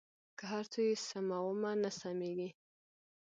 که هر څو یې سمومه نه سمېږي.